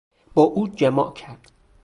با او جماع کرد.